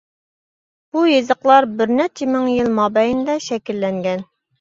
بۇ يېزىقلار بىر نەچچە مىڭ يىل مابەينىدە شەكىللەنگەن.